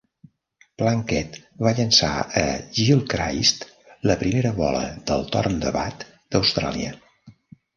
Plunkett va llançar a Gilchrist la primera bola del torn de bat d'Austràlia.